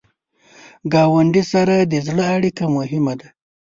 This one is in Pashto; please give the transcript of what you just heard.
ګاونډي سره د زړه اړیکه مهمه ده